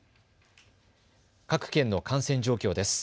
各県の感染状況です。